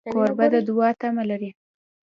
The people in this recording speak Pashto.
کوربه د دوعا تمه لري.